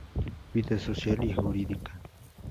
Vida social y jurídica.